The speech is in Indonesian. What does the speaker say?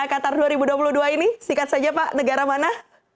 qatar dua ribu dua puluh dua ini singkat saja pak negara mana